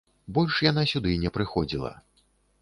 Больш яна сюды не прыходзіла.